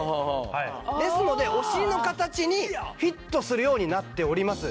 ですのでお尻の形にフィットするようになっております。